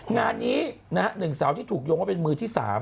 งานนี้นะฮะหนึ่งสาวที่ถูกยงว่าเป็นมือที่๓